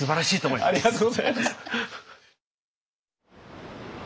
ありがとうございます。